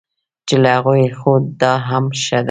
چې له هغوی خو دا هم ښه دی.